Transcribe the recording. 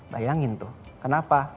bayangin tuh kenapa